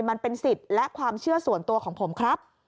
มันเป็นสิทธิ์และความเชื่อส่วนตัวของผมครับ